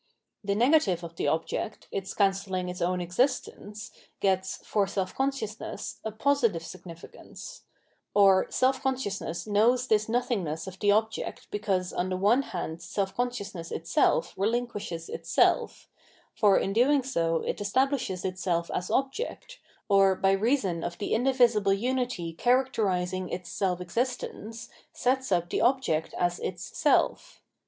The negative of the object, its cancelling its own existence, gets, for self consciousness, a positive significance ; or, seH consciousness knows this nothingness of the object because on the one hand self consciousness itself relinquishes itself ; for in doing so it establishes itself as object, or, by reason of the indivisible unity characterising its self existence, sets up the object as its self.